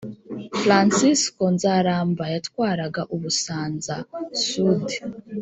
Fransisko Nzaramba yatwaraga Ubusanza-Sud.